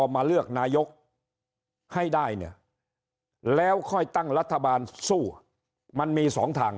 มาเลือกนายกให้ได้เนี่ยแล้วค่อยตั้งรัฐบาลสู้มันมีสองทาง